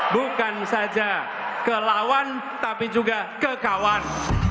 bukan saja ke lawan tapi juga ke kawan